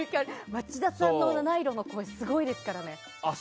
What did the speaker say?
町田さんの七色の声すごいですからね。